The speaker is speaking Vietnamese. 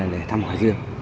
để thăm hòa dương